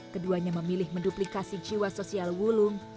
keduanya memilih menduplikasi jiwa sosial wulung